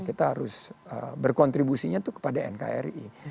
kita harus berkontribusinya itu kepada nkri